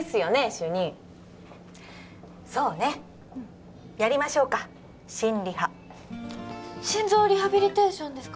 主任そうねうんやりましょうか心リハ心臓リハビリテーションですか？